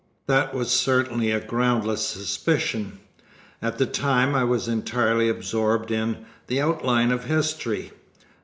That was certainly a groundless suspicion. At the time I was entirely absorbed in "The Outline of History."